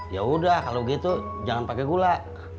yaudah kalau gitu jangan pake gula